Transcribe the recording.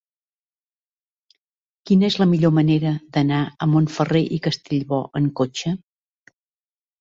Quina és la millor manera d'anar a Montferrer i Castellbò amb cotxe?